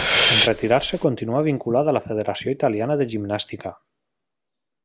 En retirar-se continuà vinculat a la Federació Italiana de Gimnàstica.